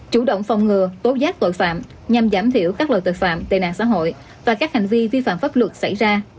chủ động phòng ngừa tố giác tội phạm nhằm giảm thiểu các loại tội phạm tệ nạn xã hội và các hành vi vi phạm pháp luật xảy ra